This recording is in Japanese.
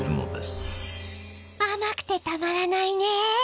あまくてたまらないね。